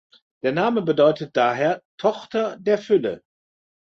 Der Name bedeutet daher „Tochter der Fülle“.